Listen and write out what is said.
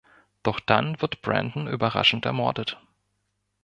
Doch dann wird Brandon überraschend ermordet.